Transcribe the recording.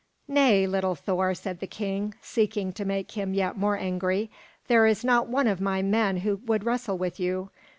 "Nay, little Thor," said the king, seeking to make him yet more angry, "there is not one of my men who would wrestle with you.